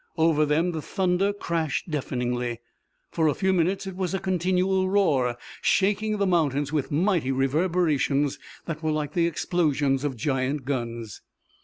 Over them the thunder crashed deafeningly. For a few minutes it was a continual roar, shaking the mountains with mighty reverberations that were like the explosions of giant guns.